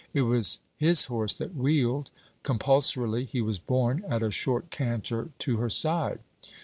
It was his horse that wheeled; compulsorily he was borne at a short canter to her side.